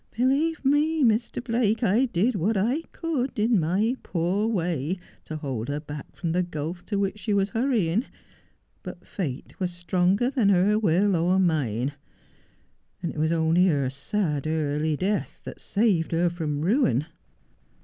Believe me, Mr. Blake, I did what I could, in my poor way, to hold her back from the gulf to which she was hurrying ; but Tate was stronger than her will or mine — and it was only her sad, early death that saved her from ruin.'